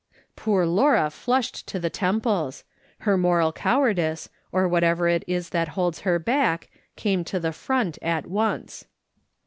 Poor Laura flushed to the temples. Her moral cowardice, or whatever it is that holds her back, came to the front at once.